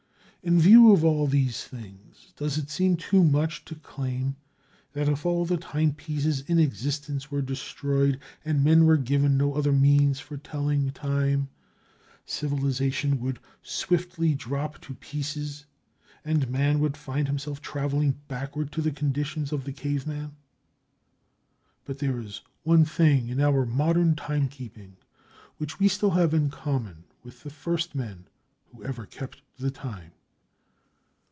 In view of all these things, does it seem too much to claim that if all the timepieces in existence were destroyed and men were given no other means for telling time, civilization would swiftly drop to pieces and man would find himself traveling backward to the conditions of the caveman? But there is one thing in our modern timekeeping which we still have in common with the first men who ever kept the time.